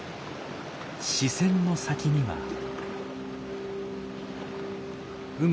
視線の先には。